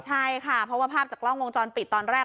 ใช่ค่ะเพราะว่าภาพจากกล้องวงจรปิดตอนแรก